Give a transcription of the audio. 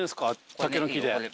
竹の木で。